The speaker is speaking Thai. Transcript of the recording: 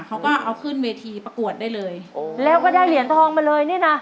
เขาก็เอาขึ้นเวทีประกวดได้เลยโอ้แล้วก็ได้เหรียญทองมาเลยนี่น่ะ